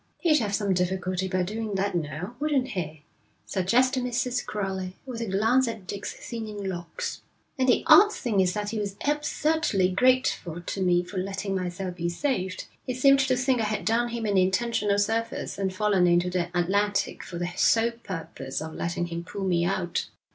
'He'd have some difficulty in doing that now, wouldn't he?' suggested Mrs. Crowley, with a glance at Dick's thinning locks. 'And the odd thing is that he was absurdly grateful to me for letting myself be saved. He seemed to think I had done him an intentional service, and fallen into the Atlantic for the sole purpose of letting him pull me out.'